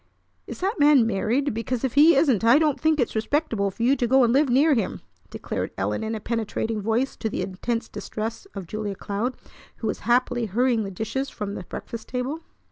"Is that man married? Because, if he isn't, I don't think it's respectable for you to go and live near him!" declared Ellen in a penetrating voice to the intense distress of Julia Cloud, who was happily hurrying the dishes from the breakfast table.